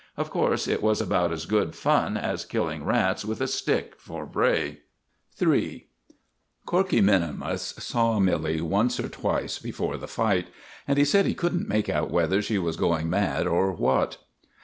Of course, it was about as good fun as killing rats with a stick for Bray. III Corkey minimus saw Milly once or twice before the fight, and he said he couldn't make out whether she was going mad or what.